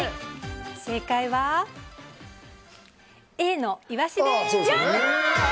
正解は、Ａのイワシです。